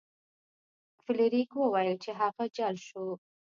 فلیریک وویل چې هغه جل شو.